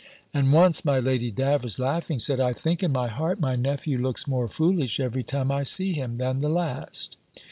And once my Lady Davers, laughing, said, "I think in my heart, my nephew looks more foolish every time I see him, than the last."